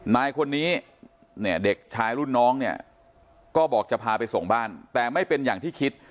นายคนนี้เนี่ยเด็กชายรุ่นน้องเนี่ยก็บอกจะพาไปส่งบ้านแต่ไม่เป็นอย่างที่คิด